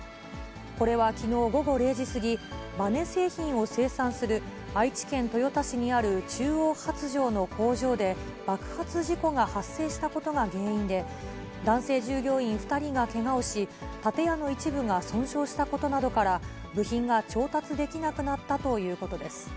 これはきのう午後０時過ぎ、ばね製品を生産する愛知県豊田市にある中央発條の工場で、爆発事故が発生したことが原因で、男性従業員２人がけがをし、建屋の一部が損傷したことなどから、部品が調達できなくなったということです。